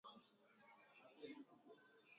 mwishoni mwa kipindi hicho